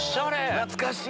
懐かしい！